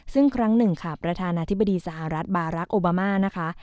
ซึ่งครั้งหนึ่งค่ะประธานาธิบดีสหรัฐบารักษ์โอบามานะคะ